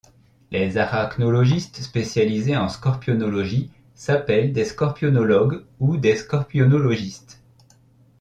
Les arachnologistes spécialisés en scorpionologie s'appellent des scorpionologues, ou des scorpionologistes.